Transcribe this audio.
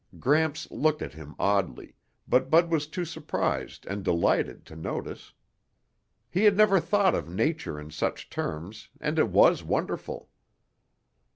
Gramps looked at him oddly, but Bud was too surprised and delighted to notice. He had never thought of nature in such terms and it was wonderful.